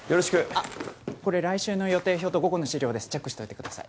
あっこれ来週の予定表と午後の資料ですチェックしといてください。